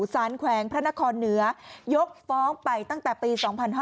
แขวงพระนครเหนือยกฟ้องไปตั้งแต่ปี๒๕๕๙